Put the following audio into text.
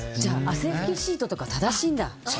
汗拭きシートとか正しいんだ。